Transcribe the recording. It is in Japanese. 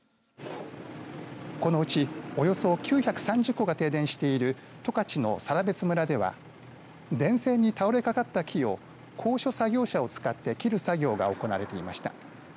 このうち、およそ９３０戸が停電している十勝の更別村では電線に倒れかかった木を高所作業車を使って切る作業が行われていました。